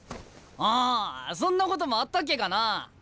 ああそんなこともあったっけかなあ？